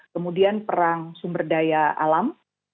kemudian perang sumber daya alam